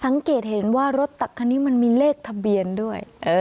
สังเกตเห็นว่ารถตักคันนี้มันมีเลขทะเบียนด้วย